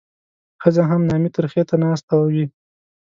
ښځه هم نامي ترخي ته ناسته وي.